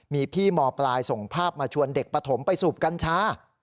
มีพี่มปลายส่งภาพมาชวนเด็กปฐมไปสูบกัญชา